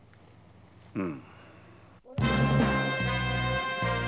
うん。